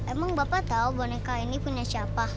emang bapak tahu boneka ini punya siapa